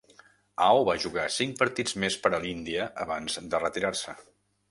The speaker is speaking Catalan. Ao va jugar cinc partits més per a l'Índia abans de retirar-se.